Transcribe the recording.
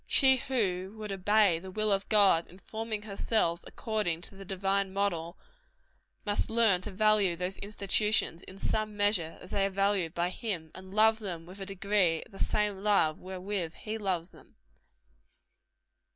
She who would obey the will of God in forming herself according to the divine mode, must learn to value those institutions, in some measure, as they are valued by Him, and love them with a degree of the same love wherewith He loves them.